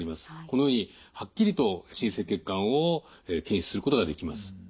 このようにはっきりと新生血管を検出することができます。